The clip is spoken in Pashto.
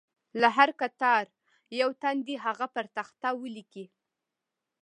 له هر کتار یو تن دې هغه پر تخته ولیکي.